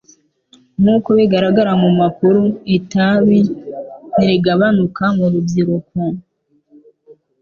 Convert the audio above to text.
Nkuko bigaragara mu makuru, itabi ntirigabanuka mu rubyiruko.